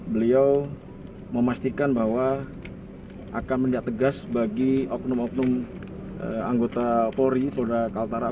beliau memastikan bahwa akan mendatang tegas bagi oknum oknum anggota polri polda kalimantan utara